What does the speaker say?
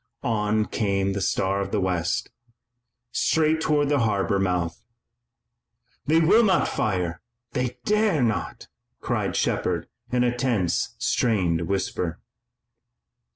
On came the Star of the West, straight toward the harbor mouth. "They will not fire! They dare not!" cried Shepard in a tense, strained whisper.